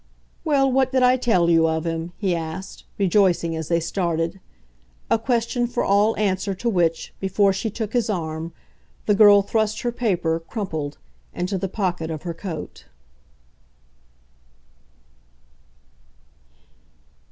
"Well, what did I tell you of him?" he asked, rejoicing, as they started: a question for all answer to which, before she took his arm, the girl thrust her paper, crumpled, into the pocket of her coat.